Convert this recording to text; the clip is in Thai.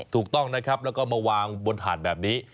ถูกต้องนะครับแล้วก็มาวางบนถาดแบบนี้